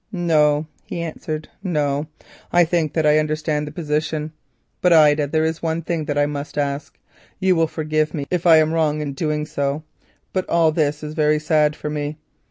"No," he answered, "no. I think that I understand the position. But, Ida, there is one thing that I must ask—you will forgive me if I am wrong in doing so, but all this is very sad for me.